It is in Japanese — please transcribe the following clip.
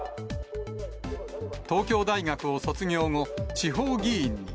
東京大学を卒業後、地方議員に。